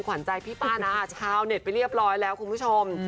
ขวัญใจพี่ป้านาชาวเน็ตไปเรียบร้อยแล้วคุณผู้ชม